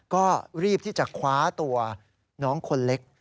ก็รีบที่จะคว้าตัวน้องคนเล็ก